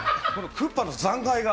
クッパの残骸が。